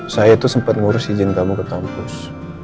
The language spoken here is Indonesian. saya itu sempat ngurus izin kamu ke kampus